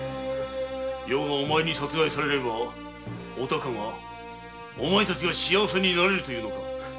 余がお前に殺害されればお孝がお前たちが幸せになれるというのか。